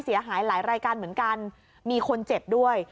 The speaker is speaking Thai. เสียหายหลายรายการเหมือนกันมีคนเจ็บด้วย